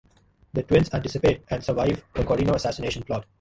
The twins anticipate and survive the Corrino assassination plot.